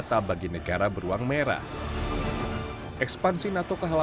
hike tiga perhubungan dalasi